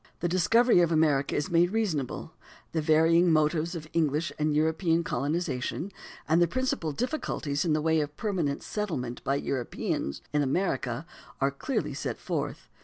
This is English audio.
The discovery of America is made reasonable (pp. 1 10); the varying motives of English and European colonization, and the principal difficulties in the way of permanent settlement by Europeans in America are clearly set forth (pp.